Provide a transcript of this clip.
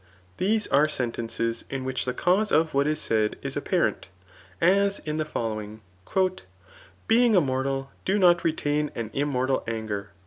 These. are sentences m which the cause of what is said is apparent ; as in' the following, ^' Bdng si mortal do not retain an immortal anger."